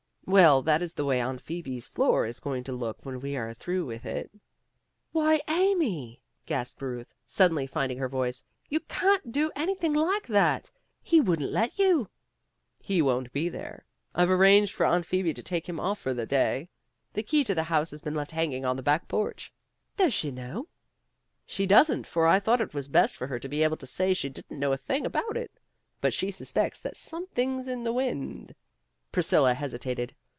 "Well, that is the way Aunt Phoebe's floor is going to look when we are through with it." "Why, Amy," gasped Ruth, suddenly finding her voice. "You can't do anything like that. He wouldn't let you." "He won't be there. I've arranged for Aunt Phoebe to take him off for the day. The key to the house has been left hanging on the back porch." "Does she know?" "She doesn't, for I thought it was best for her to be able to say she didn't know a thing about it. But she suspects that something's in the wind." Priscilla hesitated.